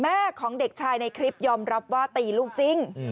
แม่ของเด็กชายในคลิปยอมรับว่าตีลูกจริง